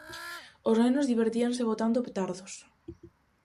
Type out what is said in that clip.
Os nenos divertíanse botando petardos.